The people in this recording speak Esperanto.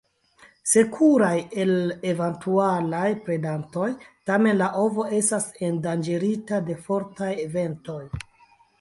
Sekuraj el eventualaj predantoj, tamen la ovo estas endanĝerita de fortaj ventoj.